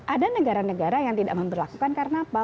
ada negara negara yang tidak memperlakukan karena apa